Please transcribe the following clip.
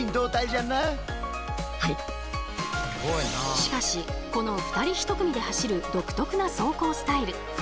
しかしこの２人１組で走る独特な走行スタイル。